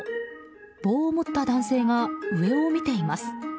棒を持った男性が上を見ています。